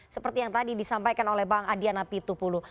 seperti yang tadi disampaikan oleh bang adhiana pitupulu